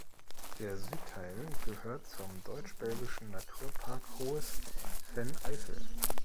Der Südteil gehört zum deutsch-belgischen Naturpark Hohes Venn-Eifel.